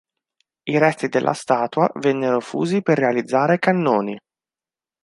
I resti della statua vennero fusi per realizzare cannoni.